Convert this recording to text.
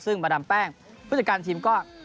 ซึ่งมาดามแป้งผู้จัดการทีมก็